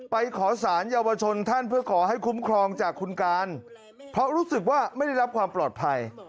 ไปขอสารเยาวชนท่านเพื่อขอให้คุ้มครองจากคุณการเพราะรู้สึกว่าไม่ได้รับความปลอดภัย